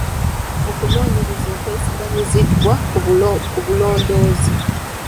Okunoonyereza okwesigamiziddwa ku bulondoozi